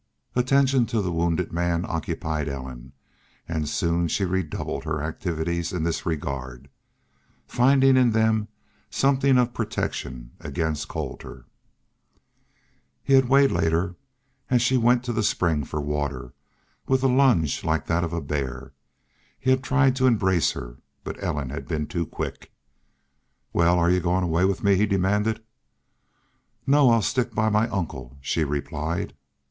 Attention to the wounded man occupied Ellen; and soon she redoubled her activities in this regard, finding in them something of protection against Colter. He had waylaid her as she went to a spring for water, and with a lunge like that of a bear he had tried to embrace her. But Ellen had been too quick. "Wal, are y'u goin' away with me?" he demanded. "No. I'll stick by my uncle," she replied.